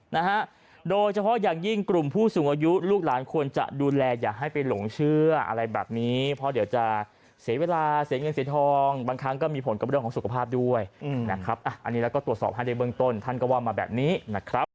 นะฮะโดยเฉพาะอย่างยิ่งกลุ่มผู้สูงอายุลูกหลานควรจะดูแลอย่าให้ไปหลงเชื่ออะไรแบบนี้เพราะเดี๋ยวจะเสียเวลาเสียเงินเสียทองบางครั้งก็มีผลกับเรื่องของสุขภาพด้วยนะครับอ่ะอันนี้แล้วก็ตรวจสอบให้ในเบื้องต้นท่านก็ว่ามาแบบนี้นะครับ